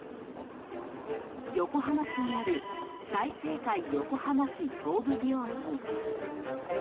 横浜市にある済生会横浜市東部病院。